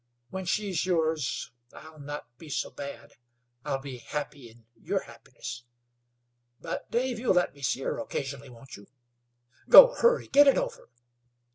When she's yours I'll not be so bad. I'll be happy in your happiness. But, Dave, you'll let me see her occasionally, won't you? Go! Hurry get it over!"